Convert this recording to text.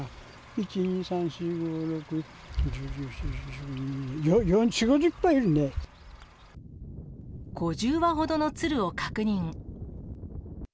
１、２、３、４、５、６、５０羽ほどのツルを確認。